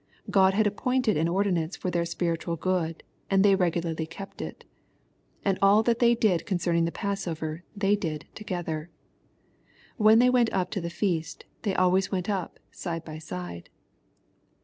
God had appointed an ordinance for their spiritual good, and they regularly kept it. And all that they did concerning the passover they did to gether. When they went up to the feast, they always went up side by side.